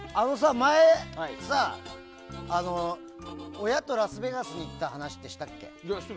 前、親とラスベガスに行った話したっけ？